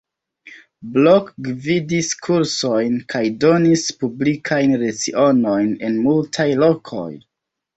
Blok gvidis kursojn kaj donis publikajn lecionojn en multaj lokoj.